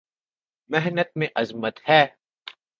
محنت میں عظمت ہے